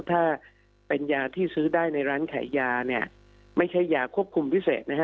ถ้าเป็นยาที่ซื้อได้ในร้านขายยาเนี่ยไม่ใช่ยาควบคุมพิเศษนะฮะ